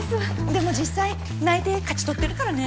でも実際内定勝ち取ってるからね。